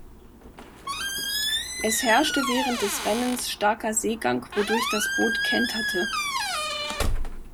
Es herrschte während des Rennens starker Seegang, wodurch das Boot kenterte.